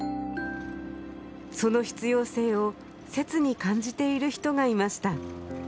その必要性を切に感じている人がいました